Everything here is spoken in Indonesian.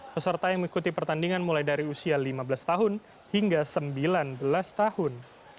peserta yang mengikuti pertandingan mulai dari usia lima belas tahun hingga sembilan belas tahun